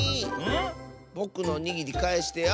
ぼくのおにぎりかえしてよ！